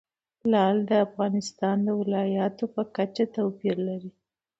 لعل د افغانستان د ولایاتو په کچه توپیر لري.